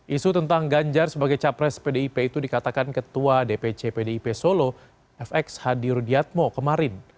isu tentang ganjar sebagai capres pdip itu dikatakan ketua dpc pdip solo fx hadi rudiatmo kemarin